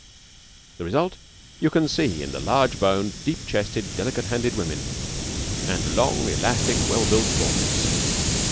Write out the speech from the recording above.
The result you can see in the large boned, deep chested, delicate handed women, and long, elastic, well built boys.